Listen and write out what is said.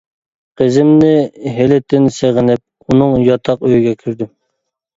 قىزىمنى ھېلىتىن سېغىنىپ، ئۇنىڭ ياتاق ئۆيىگە كىردىم.